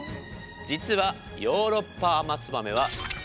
実はヨーロッパアマツバメはへえ。